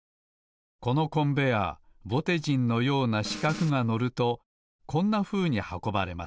このコンベアーぼてじんのようなしかくがのるとこんなふうにはこばれます。